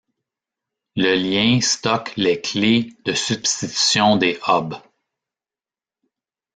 Le lien stocke les clés de substitution des hubs.